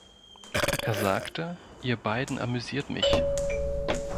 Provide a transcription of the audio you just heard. Er sagte: „Ihr beiden amüsiert mich“.